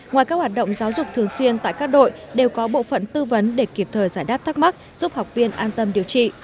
ngoài các hoạt động giáo dục thường xuyên tại các đội đều có bộ phận tư vấn để kịp thời giải đáp thắc mắc giúp học viên an tâm điều trị